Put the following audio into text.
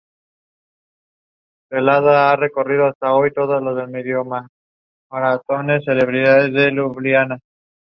The elements.